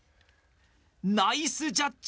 ナイスジャッジ。